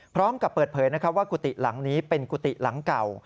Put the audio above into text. พร้อมกับเปิดเผยว่ากุฏิหลังนี้เป็นกุฏิหลังเก่า